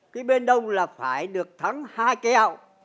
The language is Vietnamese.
cái bên đông là phải được thắng hai kéo